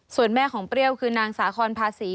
ส่วนแม่ของเปรี้ยวคือนางสาคอนภาษี